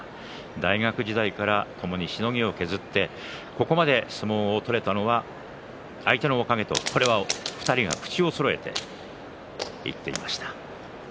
大学時代からともにしのぎを削ってここまで相撲を取れたのは相手のおかげ、２人が口をそろえて言っていました。